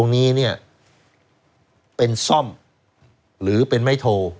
นี้เนี่ยเป็นซ่อมหรือเป็นไม้โท